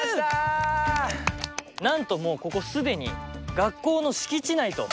なんともうここ既に学校の敷地内と。